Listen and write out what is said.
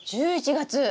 １１月。